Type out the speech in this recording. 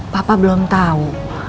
papa belum tau